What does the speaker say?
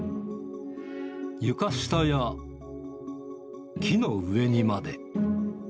床下や木の上にまで。